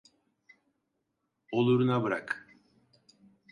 Oluruna bırak.